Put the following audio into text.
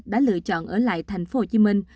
đã lựa chọn ở lại thành phố hồ chí minh